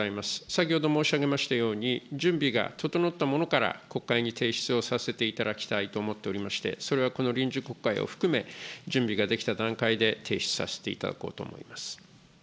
先ほど申し上げましたように、準備が整ったものから国会に提出をさせていただきたいと思っておりまして、それはこの臨時国会を含め、準備ができた段階で、提出させていただこうと思います。